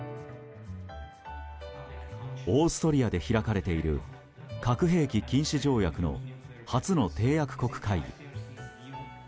オーストリアで開かれている核兵器禁止条約の初の締約国会議。